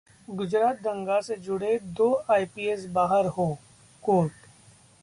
गुजरात दंगा से जुड़े दो आईपीएस बाहर हों: कोर्ट